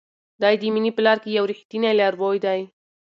دی د مینې په لار کې یو ریښتینی لاروی دی.